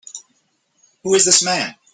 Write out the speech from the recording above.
Who is this man?